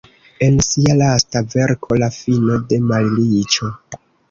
En sia lasta verko "La fino de malriĉo.